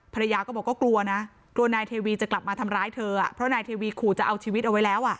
ภรรยาก็บอกก็กลัวนะกลัวนายเทวีจะกลับมาทำร้ายเธอเพราะนายเทวีขู่จะเอาชีวิตเอาไว้แล้วอ่ะ